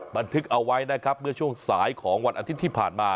บันทึกเอาไว้นะครับเมื่อช่วงสายของวันอาทิตย์ที่ผ่านมา